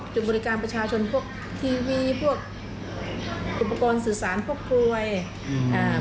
จุดบริการประชาชนพวกทีวีพวกอุปกรณ์สื่อสารพวกพรวยอืมอ่า